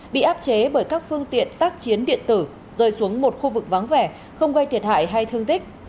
bị áp chế bởi các phương tiện tác chiến điện tử rơi xuống một khu vực vắng vẻ không gây thiệt hại hay thương tích